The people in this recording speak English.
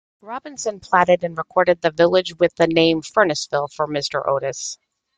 Robinson platted and recorded the village with the name "Furnaceville" for Mr. Otis.